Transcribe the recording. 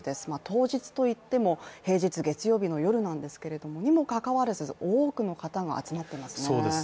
当時といっても平日、月曜日の夜なんですけれどもにもかかわらず、多くの方が集まっていますね。